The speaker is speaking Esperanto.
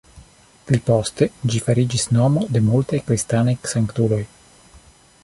Pli poste ĝi fariĝis nomo de multaj kristanaj sanktuloj.